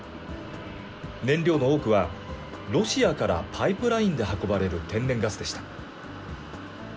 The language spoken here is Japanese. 燃料の多くは、ロシアからパイプラインで運ばれる天然ガスでした。